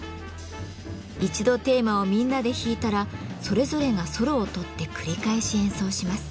一度テーマをみんなで弾いたらそれぞれがソロを取って繰り返し演奏します。